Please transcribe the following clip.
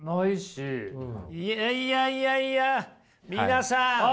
いやいやいやいや皆さん